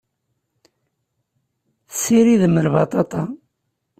Tessiridem lbaṭaṭa.